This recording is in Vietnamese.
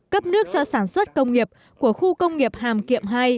cấp nước cho sản xuất công nghiệp của khu công nghiệp hàm kiệm hai